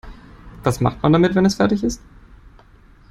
Was macht man damit, wenn es fertig ist?